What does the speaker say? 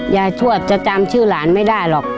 ทวดจะจำชื่อหลานไม่ได้หรอก